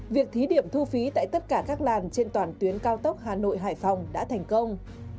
việc thí điểm thu phí tại tất cả các làn trên toàn tuyến cao tốc hà nội hải phòng đã thành công